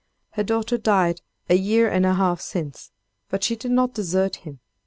Her daughter died a year and a half since, but she did not desert him.